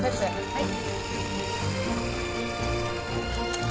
はい。